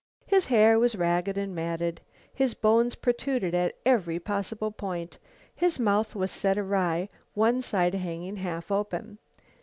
His hair was ragged and matted. His bones protruded at every possible point. His mouth was set awry, one side hanging half open.